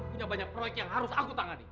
punya banyak proyek yang harus aku tangani